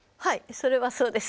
それはそうです。